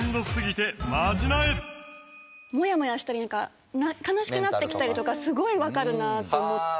モヤモヤしたりなんか悲しくなってきたりとかすごいわかるなと思って。